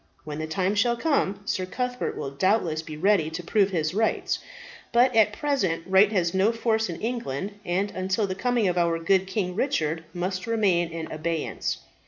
When the time shall come, Sir Cuthbert will doubtless be ready to prove his rights. But at present right has no force in England, and until the coming of our good King Richard must remain in abeyance.